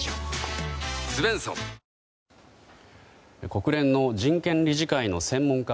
」国連の人権理事会の専門家